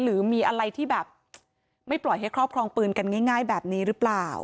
หรือมีอะไรที่แบบไม่ปล่อยให้ครอบครองปืนกันง่ายแบบนี้หรือเปล่า